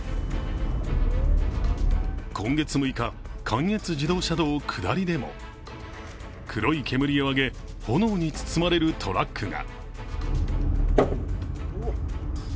今月６日、関越自動車道下りでも黒い煙を上げ、炎に包まれるトラックが。